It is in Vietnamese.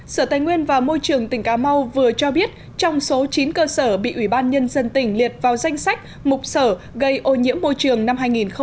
sở tài nguyên và môi trường tỉnh cà mau vừa cho biết trong số chín cơ sở bị ủy ban nhân dân tỉnh liệt vào danh sách mục sở gây ô nhiễm môi trường năm hai nghìn một mươi tám